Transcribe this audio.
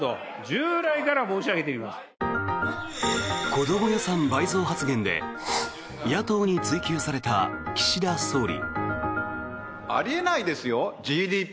子ども予算倍増発言で野党に追及された岸田総理。